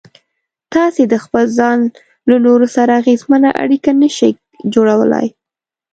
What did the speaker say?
تاسې د خپل ځان له نورو سره اغېزمنه اړيکه نشئ جوړولای.